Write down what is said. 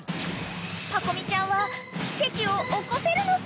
［パコ美ちゃんは奇跡を起こせるのか？］